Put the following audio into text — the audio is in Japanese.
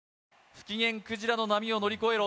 不機嫌クジラの波を乗り越えろ！